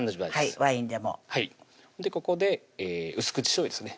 ワインでもはいここで薄口しょうゆですね